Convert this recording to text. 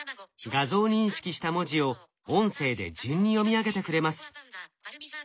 画像認識した文字を音声で順に読み上げてくれます。